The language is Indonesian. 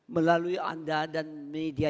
melalui anda dan media